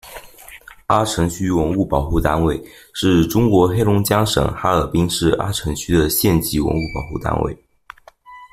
阿城区文物保护单位，是中国黑龙江省哈尔滨市阿城区的县级文物保护单位。